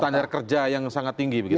standar kerja yang sangat tinggi begitu